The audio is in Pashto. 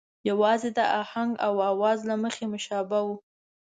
یوازې د آهنګ او آواز له مخې مشابه وو.